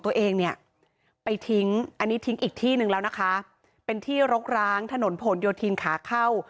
ตัวเองเนี่ยไปทิ้งอันนี้ทิ้งอีกที่หนึ่งแล้วนะคะเป็นที่รกร้างถนนผลโยธินขาเข้า